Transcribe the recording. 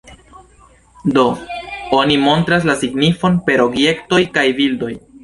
Do: oni montras la signifon per objektoj kaj bildoj.